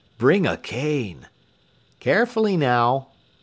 "Bring a cane!" "Carefully, now!"